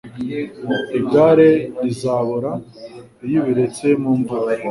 Igare rizabora iyo ubiretse mu mvura.